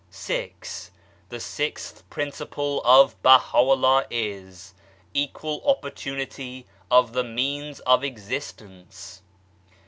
VI. The sixth principle of Baha'u'llah is : Equal opportunity of the means of Existence.